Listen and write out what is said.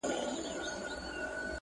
ور شریک یې په زګېروي په اندېښنې سو٫